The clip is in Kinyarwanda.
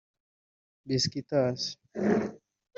Besiktas